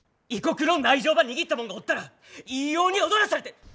異国の内情ば握ったもんがおったらいいように踊らされて。